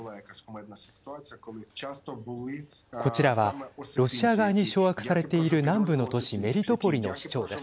こちらはロシア側に掌握されている南部の都市メリトポリの市長です。